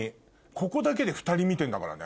ここだけで２人見てんだからね。